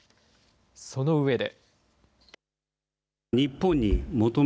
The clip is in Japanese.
その上で。